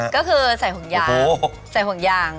ก็คือใส่ห่วงยาง